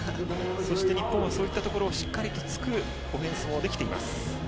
そして日本はそういったところをしっかりと突くオフェンスもできています。